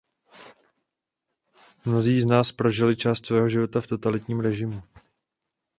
Mnozí z nás prožili část svého života v totalitním režimu.